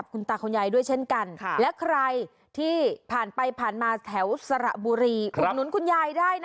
บางวันได้มาเท่าไร